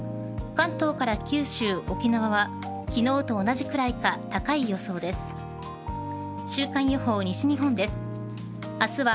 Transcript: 関東から九州、沖縄は昨日と同じくらいか高い予想です。